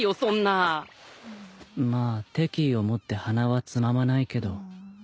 まあ敵意を持って鼻はつままないけど。